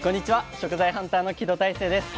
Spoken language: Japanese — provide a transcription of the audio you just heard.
食材ハンターの木戸大聖です。